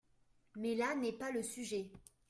Mais là n’est pas le sujet.